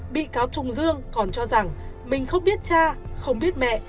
bị cáo trung dương còn cho rằng mình không biết cha không biết mẹ